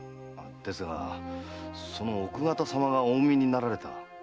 ですがその奥方様がお産みになられた若君がまだ。